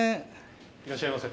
いらっしゃいませ。